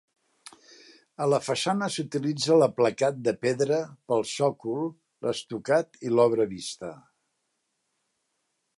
A la façana s'utilitza l'aplacat de pedra pel sòcol, l'estucat i l'obra vista.